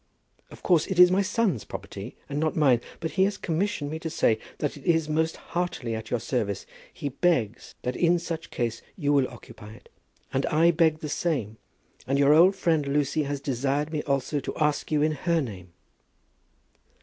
"Of course it is my son's property, and not mine, but he has commissioned me to say that it is most heartily at your service. He begs that in such case you will occupy it. And I beg the same. And your old friend Lucy has desired me also to ask you in her name."